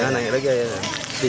naik lagi air